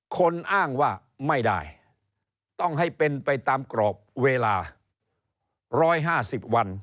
คนอ้างว่าไม่ได้ต้องให้เป็นไปตามกรอบเวลา๑๕๐วัน